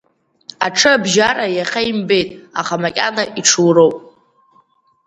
Аҽы абжьара иахьа имбеит, аха макьана иҽуроуп.